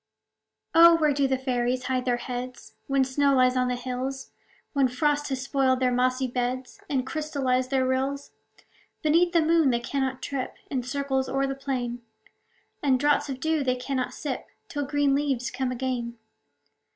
Oh ! where do fairies hide their heads, When snow lies on the hills, When frost has spoiled their mossy beds, And crystallized their rills? Beneath the moon they cannot trip In circles o'er the plain ; And draughts of dew they cannot sip, Till green leaves come again.